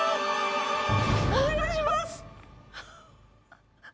お願いします！